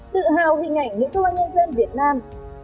tự hào hình ảnh nữ công an nhân dân việt nam